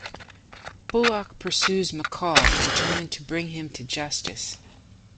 Bullock pursues McCall, determined to bring him to justice.